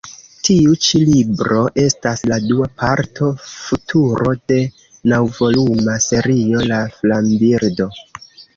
Tiu ĉi libro estas la dua parto Futuro de naŭvoluma serio La flambirdo.